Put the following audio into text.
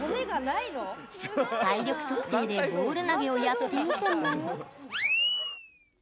体力測定でボール投げをやってみても。